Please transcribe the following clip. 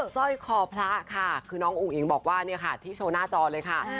สร้อยคอพระค่ะคือน้องอุ้งอิ๋งบอกว่าเนี่ยค่ะที่โชว์หน้าจอเลยค่ะ